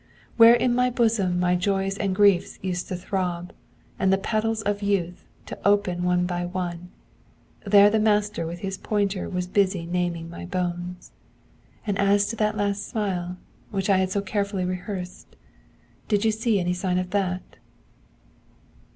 Where in my bosom my joys and griefs used to throb, and the petals of youth to open one by one, there the master with his pointer was busy naming my bones. And as to that last smile, which I had so carefully rehearsed, did you see any sign of that?